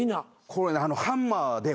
これねハンマーで。